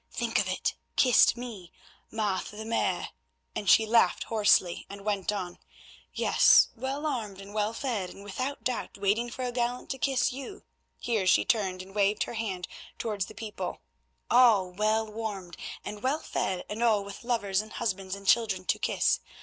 Think of it! Kissed me, Martha the Mare," and she laughed hoarsely, and went on: "Yes, well warmed and well fed, and, without doubt, waiting for a gallant to kiss you"; here she turned and waved her hand towards the people—"all well warmed and well fed, and all with lovers and husbands and children to kiss.